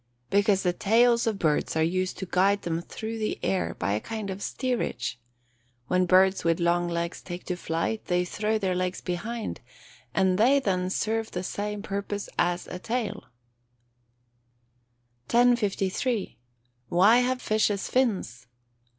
_ Because the tails of birds are used to guide them through the air, by a kind of steerage. When birds with long legs take to flight, they throw their legs behind, and they then serve the same purpose as a tail. [Illustration: Fig. 68. PERCH.] 1053. _Why have fishes fins?